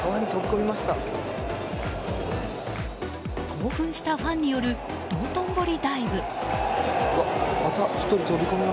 興奮したファンによる道頓堀ダイブ。